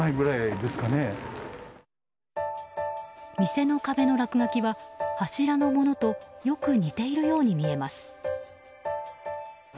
店の壁の落書きは柱のものとよく似ているように見えます。